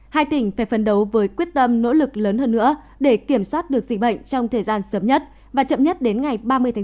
hai tỉnh phải phấn đấu với quyết tâm nỗ lực lớn hơn nữa để kiểm soát được dịch bệnh trong thời gian sớm nhất và chậm nhất đến ngày ba mươi chín hai nghìn hai mươi một